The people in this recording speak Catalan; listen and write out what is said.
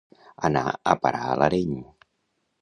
Anar a parar a l'Areny.